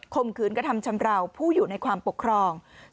มขืนกระทำชำราวผู้อยู่ในความปกครอง